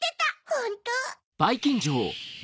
ホント。